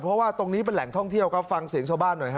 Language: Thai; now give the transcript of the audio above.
เพราะว่าตรงนี้เป็นแหล่งท่องเที่ยวครับฟังเสียงชาวบ้านหน่อยฮะ